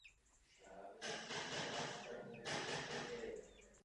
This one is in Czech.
Když se zdaní, zvýšení ceny dolehne na zákazníka.